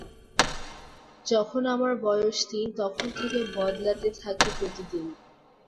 যখন আমার বয়স তিন, তখন থেকে বদলাতে থাকি প্রতিদিন।